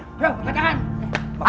yuk angkat tangan